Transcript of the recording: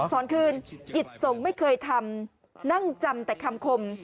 สอนคืนกิจส่งไม่เคยทำนั่งจำแต่คำคม